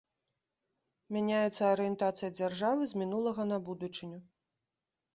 Мяняецца арыентацыя дзяржавы з мінулага на будучыню.